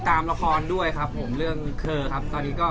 ถอดละครด้วยครับเลยครับ